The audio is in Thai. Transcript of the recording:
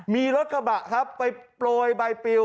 มีรถกระบะครับไปโปรยใบปิว